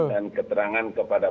dan keterangan kepada